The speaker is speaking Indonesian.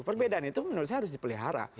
perbedaan itu menurut saya harus dipelihara